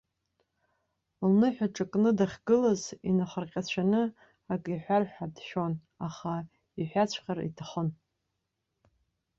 Лныҳәаҿа кны дахьгылаз инахырҟьацәаны акы иҳәар ҳәа дшәон, аха иҳәаҵәҟьар иҭахын.